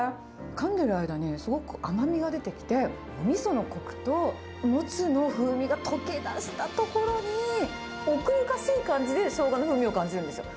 かんでる間に、すごく甘みが出てきて、みそのこくと、モツの風味が溶け出したところに、奥ゆかしい感じで、しょうがの風味を感じるんですよ。